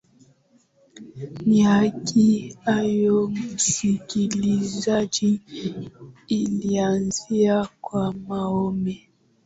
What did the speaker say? ni haki yao msikilizaji ilianzia kwa mohamed